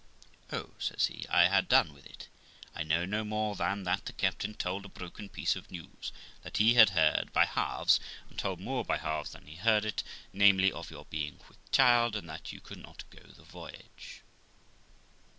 'Oh', says he, 'I had done with it. I know no more than that the captain told a broken piece of news that he had heard by halves, and told more by halves than he heard it namely, of your being with child, and that you could not go the voyage.'